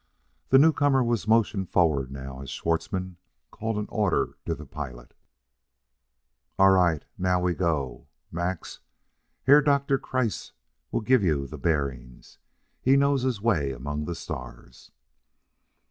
The newcomer was motioned forward now, as Schwartzmann called an order to the pilot: "All right; now we go. Max! Herr Doktor Kreiss will give you the bearings; he knows his way among the stars."